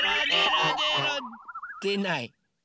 でない。